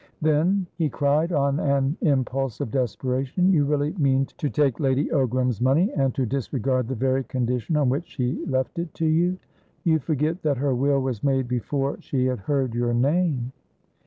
"Then," he cried, on an impulse of desperation, "you really mean to take Lady Ogram's money, and to disregard the very condition on which she left it to you?" "You forget that her will was made before she had heard your name."